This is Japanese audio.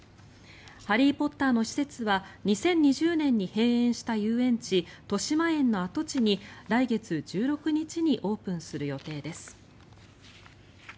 「ハリー・ポッター」の施設は２０２０年に閉園した遊園地としまえんの跡地に来月１６日にオープンする予定です。